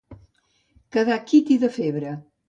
Quedar quiti de febre.